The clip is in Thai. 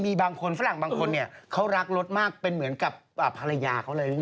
มีบางคนฝรั่งบางคนเนี่ยเขารักรถมากเป็นเหมือนกับภรรยาเขาเลย